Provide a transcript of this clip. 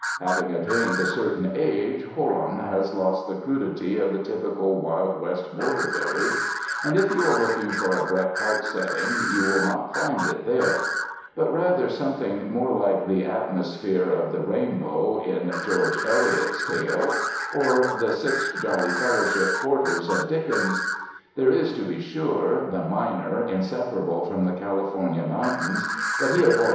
Having attained a certain age, Jolon has lost the crudity of the typical Wild West border village ; and if you are looking for a Bret Harte setting, you will not find it there, but rather something more like the atmos phere of "The Rainbow" in George Eliot's tale or 146 THE FRANCISCAN MISSIONS the "Six Jolly Fellowship Porters" of Dickens. There is, to be sure, the miner, inseparable from the California mountains, but he of